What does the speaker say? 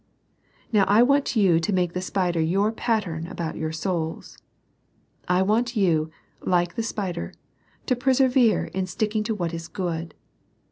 Now I want you to make the spider your pattern about your souls. I want you, like the spider, to persevere in sticking to what is good.